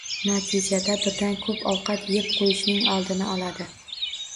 Natijada birdan koʻp ovqat yeb qoʻyishning oldi olinadi